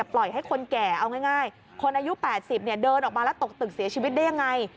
ปล่อยให้คนแก่เอาง่ายคนอายุ๘๐เดินออกมาแล้วตกตึกเสียชีวิตได้ยังไง